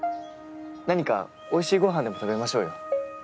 何かおいしいごはんでも食べましょうよ。